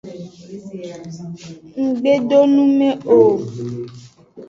Ng gbe do nu me o.